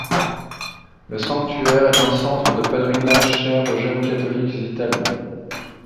Le sanctuaire est un centre de pèlerinages cher aux jeunes catholiques italiens.